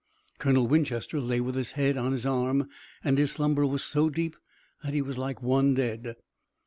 Colonel Winchester lay with his head on his arm and his slumber was so deep that he was like one dead.